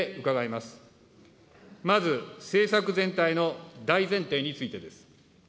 まず、政策全体の大前提についてです。